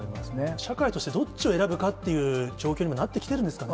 社会としてどっちを選ぶかという条件になってきてるんですかね。